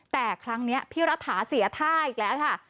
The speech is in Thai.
แต่ครั้งนี้พี่รัฐาเสียท่าอีกแล้วค่ะ